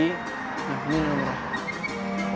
nah ini nomernya